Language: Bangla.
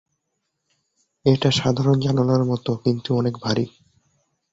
এটা সাধারণ জানালার মত কিন্তু অনেক ভারী।